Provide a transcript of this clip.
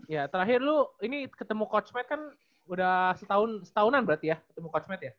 ya terakhir lu ini ketemu coach matt kan udah setahun setahunan berarti ya ketemu coach matt ya